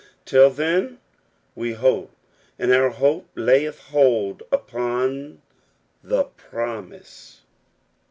Till then we hope, and our hope layeth hold upon the promise.